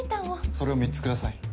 それを３つ下さい。